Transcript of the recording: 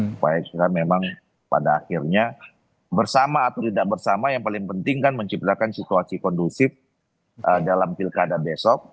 supaya kita memang pada akhirnya bersama atau tidak bersama yang paling penting kan menciptakan situasi kondusif dalam pilkada besok